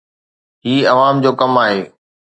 هي عوام جو ڪم آهي